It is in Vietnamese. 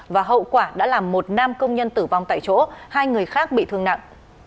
và hậu quả đã làm một nam công nhân tử vong tại chỗ hai người khác bị thương nặng